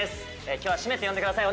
今日はしめって呼んでください。